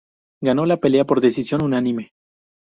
Ganó la pelea por decisión unánime.